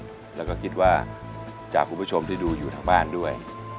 ครอบครัวของตัวเองแล้วก็คิดว่าจากคุณผู้ชมที่ดูอยู่ทางบ้านด้วย